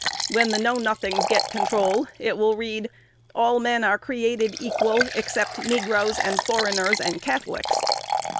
When the Know Nothings get control, it will read "all men are created equal, except negroes and foreigners and Catholics."